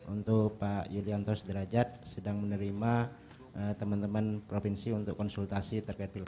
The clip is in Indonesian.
untuk pak yulianto sederajat sedang menerima teman teman provinsi untuk konsultasi terkait pilkada